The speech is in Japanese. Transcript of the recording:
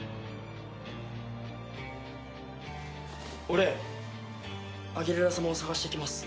俺アギレラ様を捜してきます。